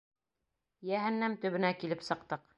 Йәһәннәм төбөнә килеп сыҡтыҡ...